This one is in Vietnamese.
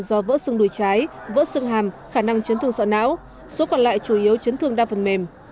do vỡ sưng đùi trái vỡ sưng hàm khả năng chấn thương sọ não số còn lại chủ yếu chấn thương đa phần mềm